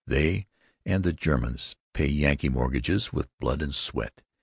They, and the Germans, pay Yankee mortgages with blood and sweat.